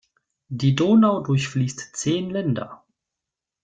Die Donau durchfließt zehn Länder.